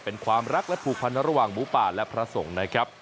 เป็นความรักและผูกพันระหว่างหมูป่าและพระสงฆ์นะครับ